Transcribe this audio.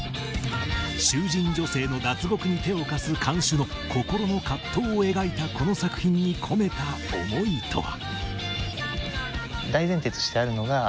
囚人女性の脱獄に手を貸す看守の心の葛藤を描いたこの作品に込めた思いとは？